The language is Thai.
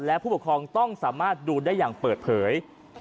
และผู้ปกครองต้องสามารถดูได้อย่างเปิดเผย